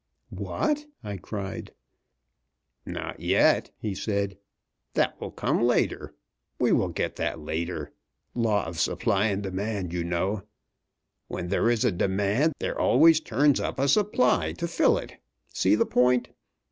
"What?" I cried. "Not yet," he said, "that will come later. We will get that later. Law of supply and demand, you know. When there is a demand, there always turns up a supply to fill it. See the point?